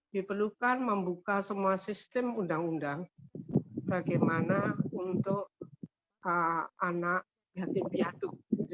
diperlukan membuka semua sistem undang undang bagaimana untuk anak yatim piatu